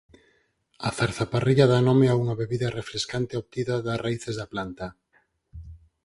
A zarzaparrilla dá nome a unha bebida refrescante obtida das raíces da planta.